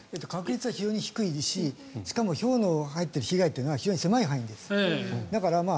確率は非常に低いししかもひょうの保険で入っているのは非常に狭い範囲です。